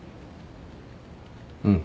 うん。